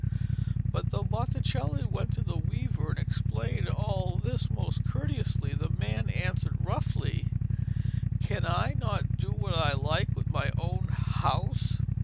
But though Botticelli went to the weaver and explained all this most courteously, the man answered roughly, 'Can I not do what I like with my own house?'